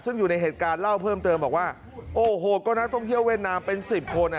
ซึ่งอยู่ในเหตุการณ์เล่าเพิ่มเติมบอกว่าโอ้โหก็นักท่องเที่ยวเวียดนามเป็นสิบคนอ่ะ